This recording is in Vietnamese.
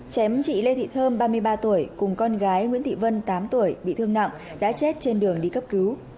chém chị lê thị thơm ba mươi ba tuổi cùng con gái nguyễn thị vân tám tuổi bị thương nặng đã chết trên đường đi cấp cứu